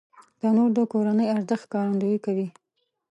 تنور د کورنی ارزښت ښکارندويي کوي